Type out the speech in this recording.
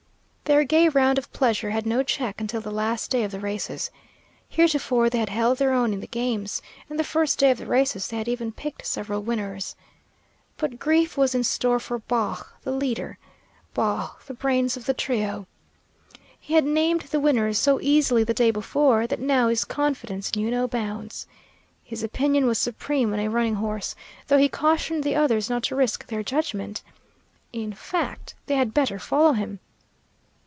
Their gay round of pleasure had no check until the last day of the races. Heretofore they had held their own in the games, and the first day of the races they had even picked several winners. But grief was in store for Baugh the leader, Baugh the brains of the trio. He had named the winners so easily the day before, that now his confidence knew no bounds. His opinion was supreme on a running horse, though he cautioned the others not to risk their judgment in fact, they had better follow him.